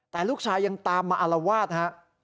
แต่ลูกชายยังตามมาอารวาสฮะ